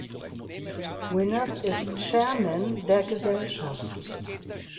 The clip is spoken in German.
Winners ist Chairman der Gesellschaft.